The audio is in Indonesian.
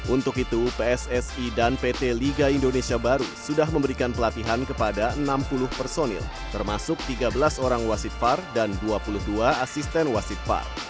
untuk itu pssi dan pt liga indonesia baru sudah memberikan pelatihan kepada enam puluh personil termasuk tiga belas orang wasit par dan dua puluh dua asisten wasit par